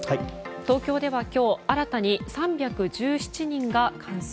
東京では今日新たに３１７人が感染。